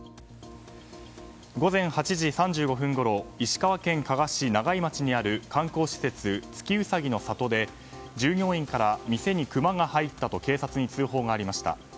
午前８時３５分ごろ石川県加賀市永井町にある観光施設、月うさぎの里で従業員から店にクマが入ったと警察に通報がありました。